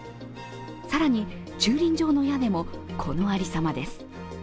更に駐輪場の屋根もこのありさまです。